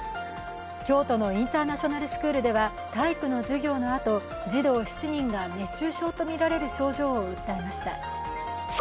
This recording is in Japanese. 京都のインターナショナルスクールでは体育の授業のあと、児童７人が熱中症とみられる症状を訴えました。